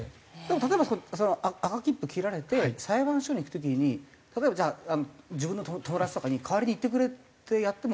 例えば赤切符切られて裁判所に行く時に例えばじゃあ自分の友達とかに「代わりに行ってくれ」ってやっても？